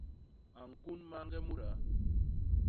A ñkun mañge mudaa.